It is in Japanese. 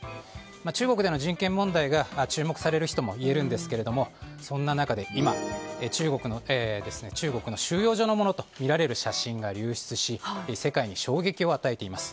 中国での人権問題が注目される日ともいえるんですけどそんな中で今、中国では収容所のものとみられる写真が流出し世界に衝撃を与えています。